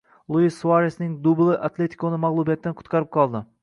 Luis Suaresning dubli “Atletiko”ni mag‘lubiyatdan qutqarib qoldi